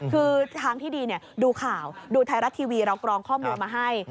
คือทางที่ดีดูข่าวดูไทยรัฐทีวีเรากรองข้อมูลมาให้